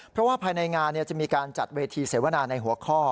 เพราะว่าภายในงานจะมีการจัดเวทีเสวนาในหัวข้อ